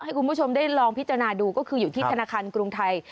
ให้คุณผู้ชมได้ลองพิจารณาดูก็คืออยู่ที่ธนาคารกรุงไทย